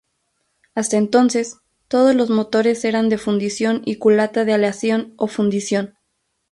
Hasta entonces, todos los motores eran de fundición y culata de aleación o fundición.